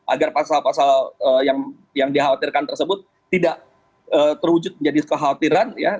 agar pasal pasal yang dikhawatirkan tersebut tidak terwujud menjadi kekhawatiran ya